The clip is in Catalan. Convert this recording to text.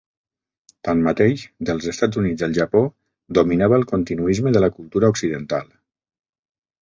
Tanmateix, dels Estats Units al Japó dominava el continuisme de la cultura occidental.